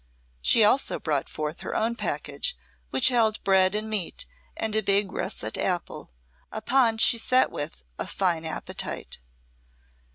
She also brought forth her own package, which held bread and meat, and a big russet apple, upon she set with a fine appetite.